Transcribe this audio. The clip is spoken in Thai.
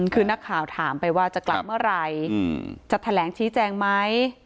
คือนักข่าวถามไปว่าจะกลับเมื่อไหร่จะแถลงชี้แจงไหม